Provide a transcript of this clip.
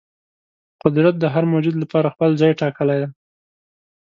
قدرت د هر موجود لپاره خپل ځای ټاکلی دی.